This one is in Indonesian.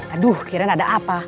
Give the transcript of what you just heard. aduh kirain ada apa